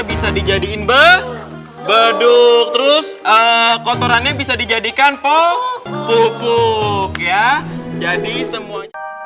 bisa dijadiin bebeduk terus kotorannya bisa dijadikan popupuk ya jadi semua